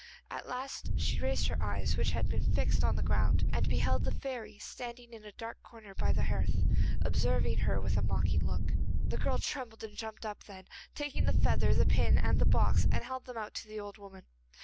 At last she raised her eyes, which had been fixed on the ground, and beheld the fairy standing in a dark corner by the hearth, observing her with a mocking look. The girl trembled and jumped up, then, taking the feather, the pin, and the box, she held them out to the old woman.